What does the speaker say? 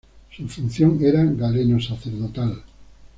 Su función era galeno-sacerdotal.